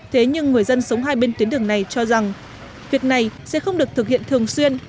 thế nhưng người dân sống hai bên tuyến đường này cho rằng việc này sẽ không được thực hiện thường xuyên